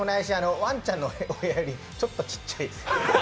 ワンちゃんの部屋よりちょっと狭いです。